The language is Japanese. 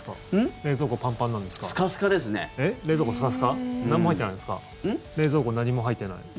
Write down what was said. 冷蔵庫、何も入ってない？